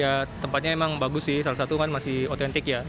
ya tempatnya emang bagus sih salah satu kan masih otentik ya